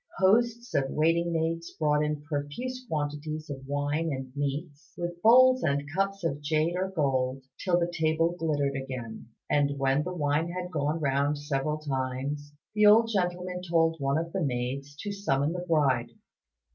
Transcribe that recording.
Hosts of waiting maids brought in profuse quantities of wine and meats, with bowls and cups of jade or gold, till the table glittered again. And when the wine had gone round several times, the old gentleman told one of the maids to summon the bride.